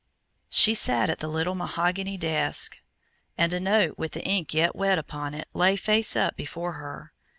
She sat at the little mahogany desk and a note with the ink yet wet upon it lay face up before her.